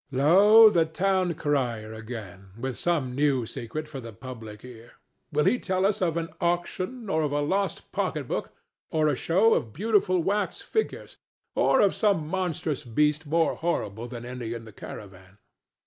Lo! the town crier again, with some new secret for the public ear. Will he tell us of an auction, or of a lost pocket book or a show of beautiful wax figures, or of some monstrous beast more horrible than any in the caravan?